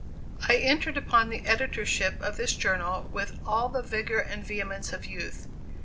I entered upon the editorship of this journal with all the vigor and vehemence of youth.